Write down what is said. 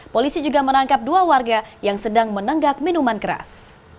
polisi juga menangkap dua warga yang sedang menenggak minuman keras